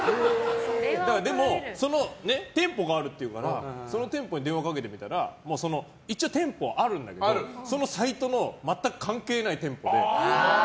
でも、その店舗があるっていうからその店舗に電話かけてみたら一応、店舗はあるんだけどそのサイトとは全く関係ない店舗で。